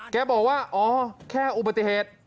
แกบอกว่าอ๋อแค่อุบัติเหตุ